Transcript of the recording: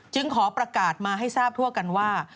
ขอประกาศมาให้ทราบทั่วกันว่า